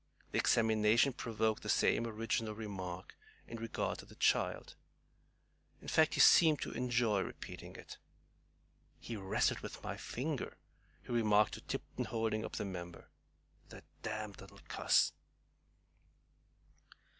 The examination provoked the same original remark in regard to the child. In fact, he seemed to enjoy repeating it. "He rastled with my finger," he remarked to Tipton, holding up the member, "the damned little cuss!"